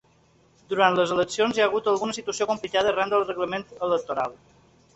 Durant les eleccions hi ha hagut alguna situació complicada arran del reglament electoral.